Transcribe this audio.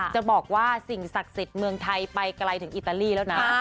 จะบอกว่าสิ่งศักดิ์สิทธิ์เมืองไทยไปไกลถึงอิตาลีแล้วนะ